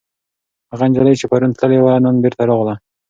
هغه نجلۍ چې پرون تللې وه، نن بېرته راغله.